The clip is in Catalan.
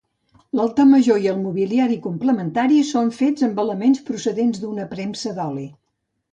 L'altar major i el mobiliari complementari són fets amb elements procedents d'una premsa d'oli.